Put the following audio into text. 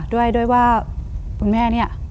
ด้วยว่าคุณแม่เนี่ย